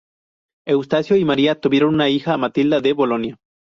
Eustaquio y María tuvieron una hija, Matilda de Bolonia.